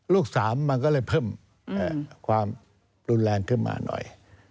๓มันก็เลยเพิ่มความรุนแรงขึ้นมาหน่อย